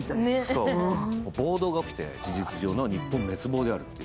暴動が起きて、事実上の日本滅亡である。